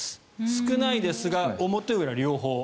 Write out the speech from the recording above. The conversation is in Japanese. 少ないですが、表裏両方。